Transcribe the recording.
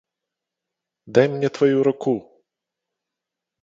Дай мне тваю руку!